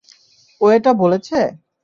ও এটা বলেছে?